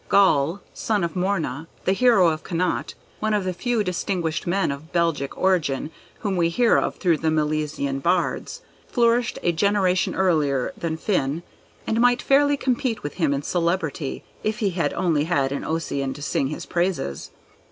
Gall, son of Morna, the hero of Connaught (one of the few distinguished men of Belgic origin whom we hear of through the Milesian bards), flourished a generation earlier than Finn, and might fairly compete with him in celebrity, if he had only had an Ossian to sing his praises.